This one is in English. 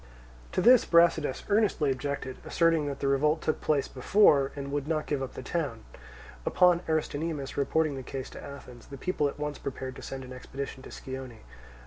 To this Brasidas earnestly objected, asserting that the revolt took place before, and would not give up the town. Upon Aristonymus reporting the case to Athens, the people at once prepared to send an expedition to Scione.